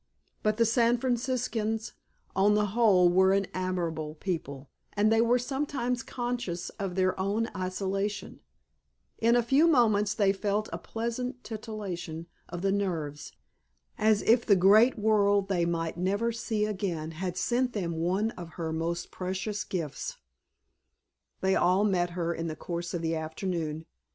But the San Franciscans on the whole were an amiable people and they were sometimes conscious of their isolation; in a few moments they felt a pleasant titillation of the nerves, as if the great world they might never see again had sent them one of her most precious gifts. They all met her in the course of the afternoon.